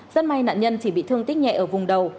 rất may nạn nhân chỉ bị thương tích nhẹ ở vùng đầu